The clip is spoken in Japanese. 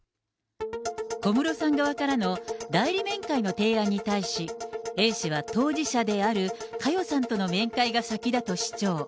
小室さん側からの代理面会の提案に対し、Ａ氏は当事者である佳代さんとの面会が先だと主張。